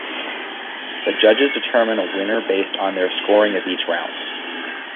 The judges determine a winner based on their scoring of each round.